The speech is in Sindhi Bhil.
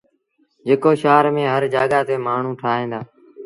جيڪو شآهر ميݩ هر جآڳآ تي مآڻهوٚٚݩ ٺاهيݩ دآ۔